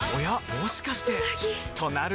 もしかしてうなぎ！